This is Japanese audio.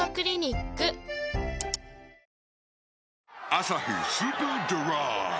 「アサヒスーパードライ」